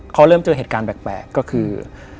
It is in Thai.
เขาเริ่มเจอเหตุการณ์แปลกก็คือ